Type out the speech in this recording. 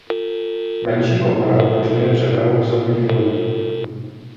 Menší komora umožňuje přepravu osobních lodí.